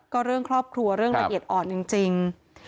ก็เรื่องครอบครัวเรื่องละเอียดอ่อนจริง